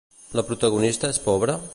La protagonista és pobra?